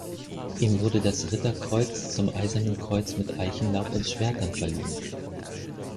Ihm wurde das Ritterkreuz zum Eisernen Kreuz mit Eichenlaub und Schwertern verliehen.